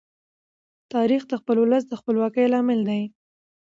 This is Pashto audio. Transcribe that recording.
تاریخ د خپل ولس د خپلواکۍ لامل دی.